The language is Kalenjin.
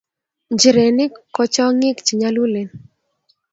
nchirenik ko chong'ik che nyolkulen